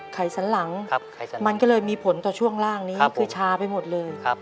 สันหลังมันก็เลยมีผลต่อช่วงล่างนี้คือชาไปหมดเลย